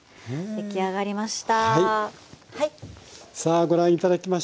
出来上がりました。